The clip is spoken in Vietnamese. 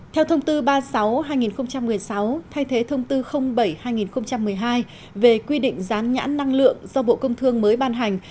theo thông tư ba mươi sáu hai nghìn một mươi sáu thay thế thông tư bảy hai nghìn một mươi hai về quy định gián nhãn năng lượng do bộ công thương mới ban hành